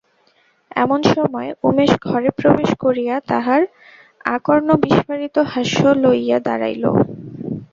এমন সময় উমেশ ঘরে প্রবেশ করিয়া তাহার আকর্ণবিস্ফারিত হাস্য লইয়া দাঁড়াইল।